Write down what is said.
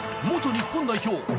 日本代表